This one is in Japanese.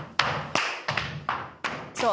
「そう。